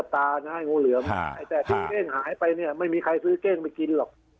เพราะสึกว่าเค้งหายไปไม่มีใครซื้อเค้งไปกินหรอก